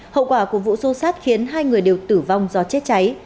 hậu quả của vụ xô xát khiến hai người đều tử vong do chết cháy